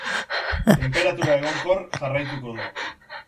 Tenperatura egonkor jarraituko du.